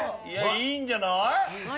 いいんじゃない？